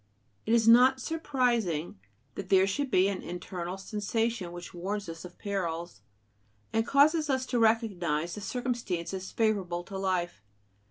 It is not surprising that there should be an internal sensation which warns us of perils, and causes us to recognize the circumstances favorable to life.